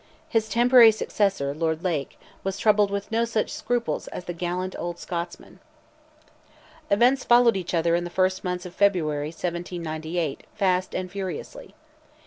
His temporary successor, Lord Lake, was troubled with no such scruples as the gallant old Scotsman. Events followed each other in the first months of 1798, fast and furiously.